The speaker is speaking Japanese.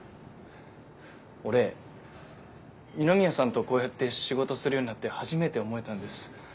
俺二宮さんとこうやって仕事するようになって初めて思えたんです。